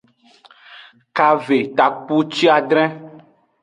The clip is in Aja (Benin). Kave takpuciadre.